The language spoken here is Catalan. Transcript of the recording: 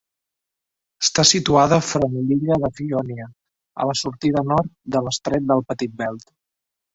Està situada front l'illa de Fiònia a la sortida nord de l'estret del Petit Belt.